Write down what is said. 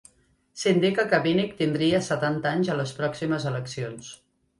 S'indica que Vinick tindria setanta anys a les pròximes eleccions.